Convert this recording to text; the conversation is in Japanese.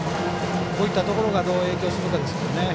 こういったところがどう影響するかですね。